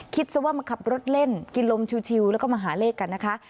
ซะว่ามาขับรถเล่นกินลมชิวแล้วก็มาหาเลขกันนะคะ